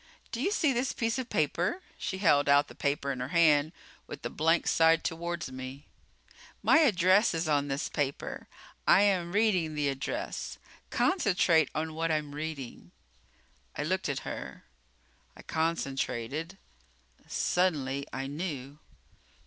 Do you see this piece of paper?" She held out the paper in her hand with the blank side toward me. "My address is on this paper. I am reading the address. Concentrate on what I'm reading." I looked at her. I concentrated. Suddenly, I knew.